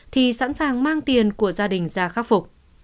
thì sẵn sàng mang tiền của gia đình ra khắc phục